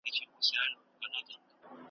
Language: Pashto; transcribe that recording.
اوس د شمعي په لمبه کي ټګي سوځي ,